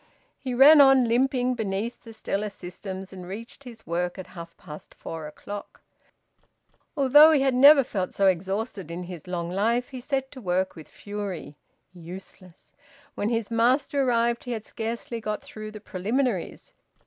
He ran on limping, beneath the stellar systems, and reached his work at half past four o'clock. Although he had never felt so exhausted in his long life, he set to work with fury. Useless! When his master arrived he had scarcely got through the preliminaries.